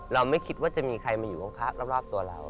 ไม่คิดว่าจะมีใครมาอยู่ข้างรอบตัวเรา